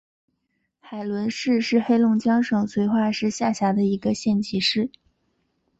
海伦市是黑龙江省绥化市下辖的一个县级市。